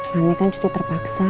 mami kan cukup terpaksa